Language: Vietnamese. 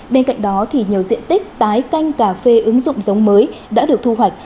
bên cạnh đó thì nhiều diện tích tái canh cà phê ứng dụng giống mới đã được thu hoạch